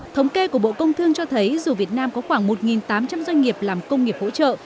thống kê của bộ công thương cho thấy dù việt nam có khoảng một tám trăm linh doanh nghiệp làm công nghiệp hỗ trợ